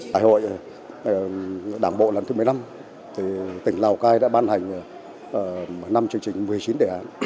đại hội đảng bộ lần thứ một mươi năm tỉnh lào cai đã ban hành năm chương trình một mươi chín đề án